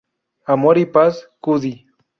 Amor y paz, Cudi.